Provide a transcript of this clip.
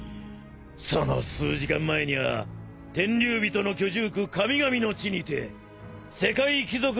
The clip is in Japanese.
その数時間前にゃあ天竜人の居住区神々の地にて世界貴族のシンボル天